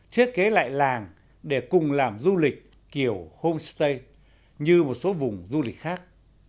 thiết kế lại làng để cùng làm du lịch kiểu homestay như một số vùng du lịch khác